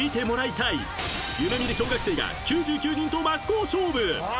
［夢見る小学生が９９人と真っ向勝負！］